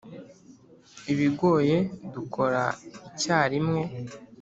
ibigoye dukora icyarimwe,